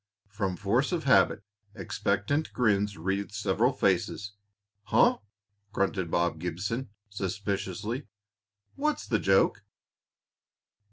From force of habit, expectant grins wreathed several faces. "Huh!" grunted Bob Gibson, suspiciously. "What's the joke?"